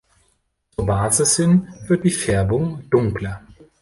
Zur Basis hin wird die Färbung dunkler.